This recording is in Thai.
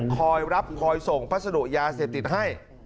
คอยรับคอยส่งพัสดุยาเสพติดให้